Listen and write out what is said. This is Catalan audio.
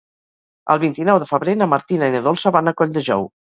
El vint-i-nou de febrer na Martina i na Dolça van a Colldejou.